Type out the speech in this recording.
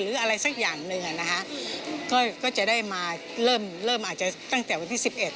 หรืออะไรสักอย่างหนึ่งอ่ะนะคะก็จะได้มาเริ่มเริ่มอาจจะตั้งแต่วันที่สิบเอ็ด